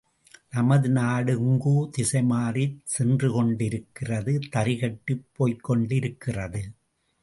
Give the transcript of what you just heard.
நமது நாடு எங்கோ திசைமாறிச் சென்றுகொண்டிருக்கிறது தறிகெட்டுப் போய்க்கொண்டிருக்கிறது.